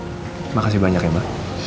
terima kasih banyak ya mbak